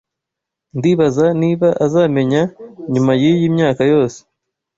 Ndibaza niba azamenya nyuma yiyi myaka yose.